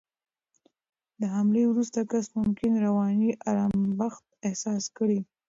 د حملې وروسته کس ممکن رواني آرامښت احساس کړي.